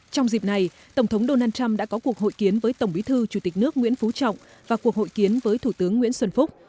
trong dịp này tổng thống donald trump đã có cuộc hội kiến với tổng bí thư chủ tịch nước nguyễn phú trọng và cuộc hội kiến với thủ tướng nguyễn xuân phúc